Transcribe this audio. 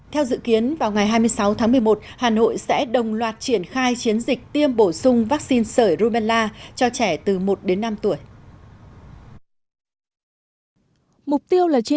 theo dự kiến vào ngày hai mươi sáu tháng một mươi một hà nội sẽ đồng loạt triển khai chiến dịch tiêm bổ sung vaccine sởi rubella cho trẻ từ một đến năm tuổi